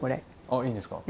あいいんですか？